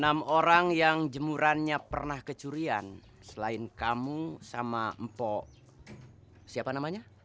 enam orang yang jemurannya pernah kecurian selain kamu sama mpok siapa namanya